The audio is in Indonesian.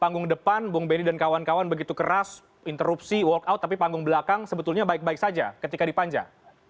panggung depan bung benny dan kawan kawan begitu keras interupsi walk out tapi panggung belakang sebetulnya baik baik saja ketika di panjang